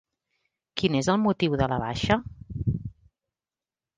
Quin és el motiu de la baixa?